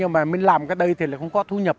mình làm cái đây thì không có thu nhập